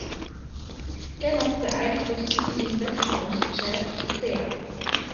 Dennoch beeinflussten sie den West Coast Jazz sehr.